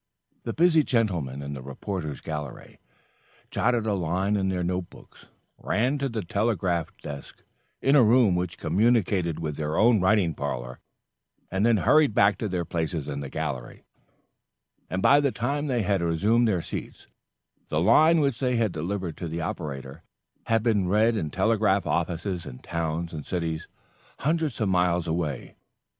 The busy gentlemen in the reporters' gallery jotted a line in their note books, ran to the telegraphic desk in a room which communicated with their own writing parlor, and then hurried back to their places in the gallery; and by the time they had resumed their seats, the line which they had delivered to the operator had been read in telegraphic offices in towns and cities hundreds of miles away.